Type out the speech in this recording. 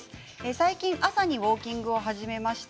最近、朝にウォーキングを始めました。